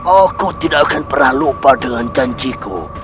aku tidak akan pernah lupa dengan janjiku